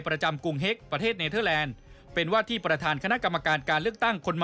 กรุงเฮ็กประเทศเนเทอร์แลนด์เป็นว่าที่ประธานคณะกรรมการการเลือกตั้งคนใหม่